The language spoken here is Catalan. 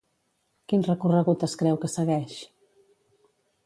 Quin recorregut es creu que segueix?